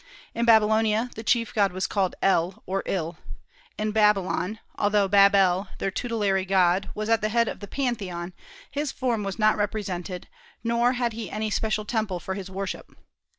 In Babylonia the chief god was called El, or Il. In Babylon, although Bab el, their tutelary god, was at the head of the pantheon, his form was not represented, nor had he any special temple for his worship.